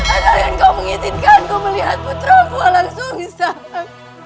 asalkan kau mengizinkan kau melihat putraku langsung saja